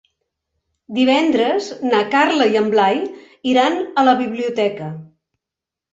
Divendres na Carla i en Blai iran a la biblioteca.